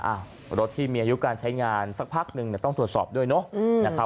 รถที่มีอายุการใช้งานสักพักหนึ่งต้องตรวจสอบด้วยเนาะนะครับ